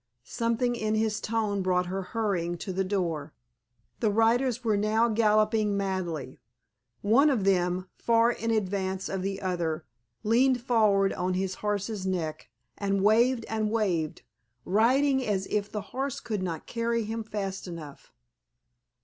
Something in his tone brought her hurrying to the door. The riders were now galloping madly. One of them, far in advance of the other, leaned forward on his horse's neck, and waved and waved, riding as if the horse could not carry him fast enough.